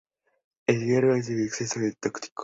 El hierro en exceso es tóxico.